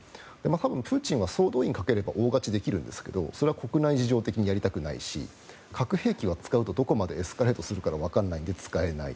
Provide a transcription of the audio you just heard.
多分、プーチンは総動員をかければ大勝ちはできるんだけどそれは国内事情的にやりたくないし核兵器は使うとどこまでエスカレートするかがわからないので使えない。